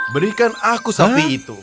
berikan aku sapi itu